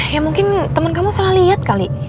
ya mungkin temen kamu salah liat kali